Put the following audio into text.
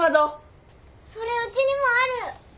それうちにもある。